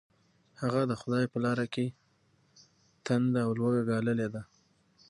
هغه د خدای په لاره کې تنده او لوږه ګاللې ده.